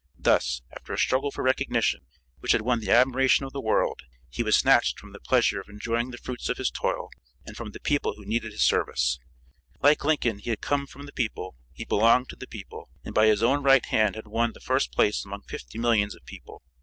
Thus, after a struggle for recognition, which had won the admiration of the world, he was snatched from the pleasure of enjoying the fruits of his toil, and from the people who needed his service. Like Lincoln, he had come from the people, he belonged to the people, and by his own right hand had won the first place among fifty millions of people.